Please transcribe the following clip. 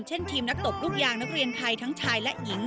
ทีมนักตบลูกยางนักเรียนไทยทั้งชายและหญิง